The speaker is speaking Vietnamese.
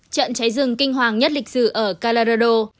trận cháy rừng kinh hoàng nhất lịch sử ở calaro